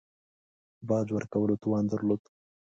باج ورکولو توان درلود.